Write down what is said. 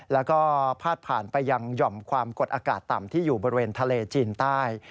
แล้วก็พาดผ่านไปยังหย่อมความกดอากาศต่ำที่อยู่บริเวณทะเลจีนใต้